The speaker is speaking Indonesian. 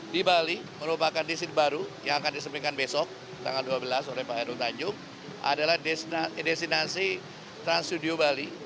di bali merupakan destin baru yang akan disampaikan besok tanggal dua belas oleh pak heru tanjung adalah destinasi trans studio bali